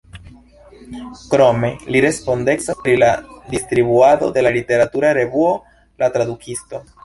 Krome li respondecas pri la distribuado de la literatura revuo La Tradukisto.